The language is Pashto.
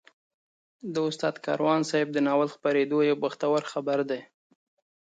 د استاد کاروان صاحب د ناول خپرېدل یو بختور خبر دی.